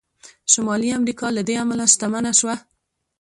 شمالي امریکا له دې امله شتمنه شوه.